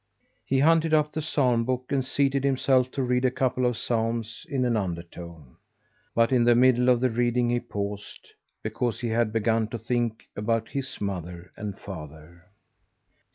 He hunted up the psalm book, and seated himself to read a couple of psalms in an undertone. But in the middle of the reading he paused because he had begun to think about his mother and father.